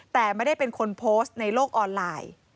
แต่ไม่ได้เป็นคนโพสต์ในโลกออนไลน์